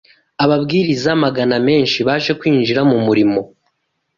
ababwiriza amagana menshi baje kwinjira mu murimo